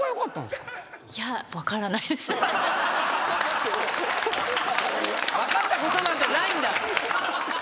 いや。分かったことなんてないんだ！